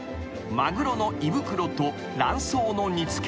［マグロの胃袋と卵巣の煮付け］